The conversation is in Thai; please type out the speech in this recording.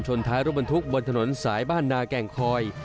ท้ายรถบรรทุกบนถนนสายบ้านนาแก่งคอย